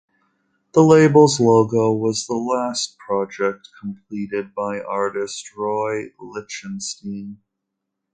The label's logo was the last project completed by artist Roy Lichtenstein.